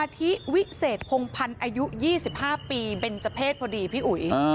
ทิวิเศษพงพันธ์อายุ๒๕ปีเบนเจอร์เพศพอดีพี่อุ๋ย